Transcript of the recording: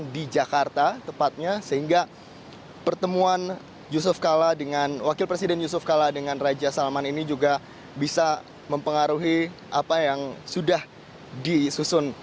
raja salman di jakarta tepatnya sehingga pertemuan wakil presiden yusuf kala dengan raja salman ini juga bisa mempengaruhi apa yang sudah disusun